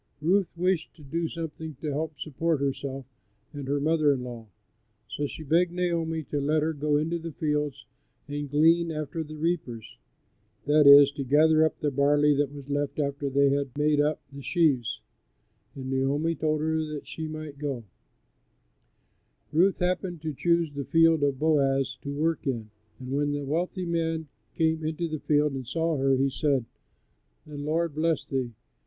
Ruth wished to do something to help support herself and her mother in law, so she begged Naomi to let her go into the fields and glean after the reapers that is, to gather up the barley that was left after they had made up the sheaves and Naomi told her that she might go. [Illustration: THE PRODIGAL SON.] Ruth happened to choose the field of Boaz to work in, and when the wealthy man came into the field and saw her, he said, "The Lord bless thee!"